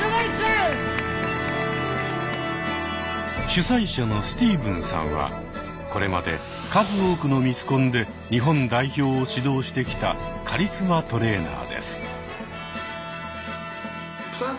主催者のスティーブンさんはこれまで数多くのミスコンで日本代表を指導してきたカリスマトレーナーです。